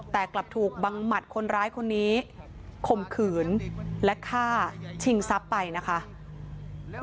แต่กลับถูกบังหมัดคนร้ายคนนี้ข่มขืนและฆ่าชิงทรัพย์ไปนะคะ